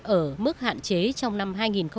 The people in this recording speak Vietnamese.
ở mức hạn chế trong năm hai nghìn một mươi bảy